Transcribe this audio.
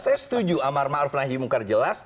saya setuju amar ma'ruf nahi mungkar jelas